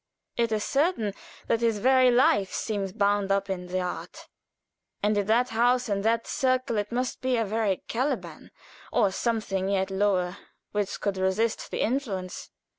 It is certain that his very life seems bound up in the art, and in that house and that circle it must be a very Caliban, or something yet lower, which could resist the influence.